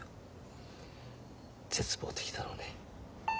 絶望的だろうね。